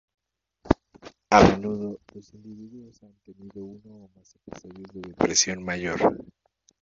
A menudo, los individuos han tenido uno o más episodios de depresión mayor.